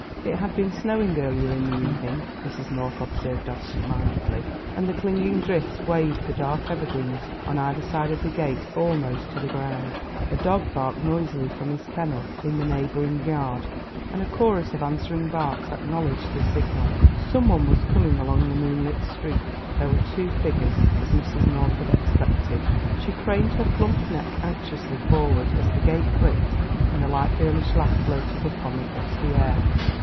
It had been snowing earlier in the evening, Mrs. North observed absent mindedly, and the clinging drifts weighed the dark evergreens on either side of the gate almost to the ground. A dog barked noisily from his kennel in a neighbouring yard, and a chorus of answering barks acknowledged the signal; some one was coming along the moonlit street. There were two figures, as Mrs. North had expected; she craned her plump neck anxiously forward as the gate clicked and a light girlish laugh floated up on the frosty air.